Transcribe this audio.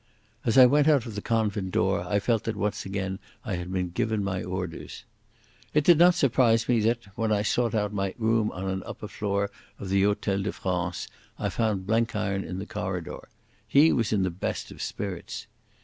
As I went out of the convent door I felt that once again I had been given my orders. It did not surprise me that, when I sought out my room on an upper floor of the Hôtel de France, I found Blenkiron in the corridor. He was in the best of spirits.